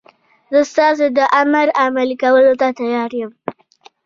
زه ستاسو د امر عملي کولو ته تیار یم.